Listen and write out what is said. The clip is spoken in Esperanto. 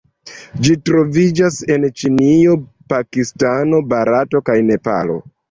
Ĝi troviĝas en Ĉinio, Pakistano, Barato kaj Nepalo.